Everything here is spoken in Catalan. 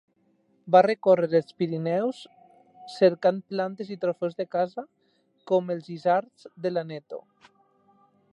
Va recórrer els Pirineus cercant plantes i trofeus de caça com els isards de l'Aneto.